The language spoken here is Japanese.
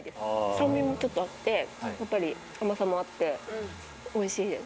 酸味もちょっとあって、やっぱり甘さもあって、おいしいです。